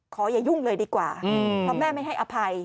อย่ายุ่งเลยดีกว่าเพราะแม่ไม่ให้อภัย